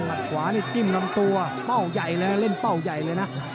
ขวานี่จิ้มลำตัวเป้าใหญ่เลยเล่นเป้าใหญ่เลยนะ